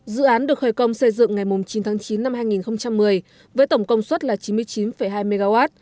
dự án được khởi công xây dựng ngày chín tháng chín năm hai nghìn một mươi với tổng công suất là chín mươi chín hai mw